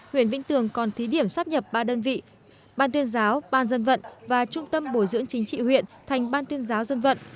huyện vĩnh tường còn thí điểm sắp nhập ba đơn vị ban tuyên giáo ban dân vận và trung tâm bồi dưỡng chính trị huyện thành ban tuyên giáo dân vận